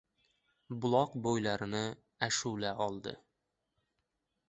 Buloq bo‘ylarini ashula oldi: